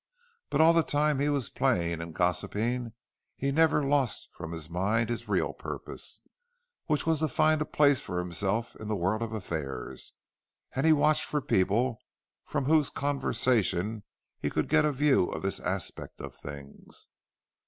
But all the time that he was playing and gossiping he never lost from mind his real purpose, which was to find a place for himself in the world of affairs; and he watched for people from whose conversation he could get a view of this aspect of things.